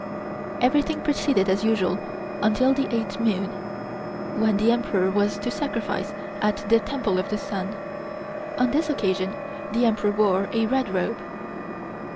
Everything proceeded as usual until the eighth moon, when the Emperor was to sacrifice at the "Temple of the Sun." On this occasion the Emperor wore a red robe.